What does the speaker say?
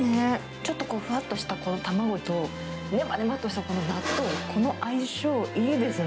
ちょっとこう、ふわっとした卵と、ねばねばっとしたこの納豆、この相性いいですね。